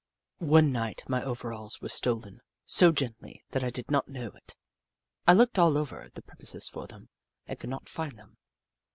One night my overalls were stolen, so gently that I did not know it. I looked all over the premises for them and could not find them.